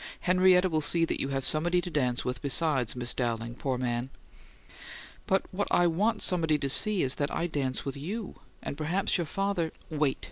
Henrietta'll see that you have somebody to dance with besides Miss Dowling, poor man!" "But what I want somebody to see is that I dance with you! And perhaps your father " "Wait!"